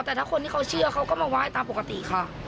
แต่ถ้าคนที่เขาเชื่อเขาก็มาไหว้ตามปกติค่ะ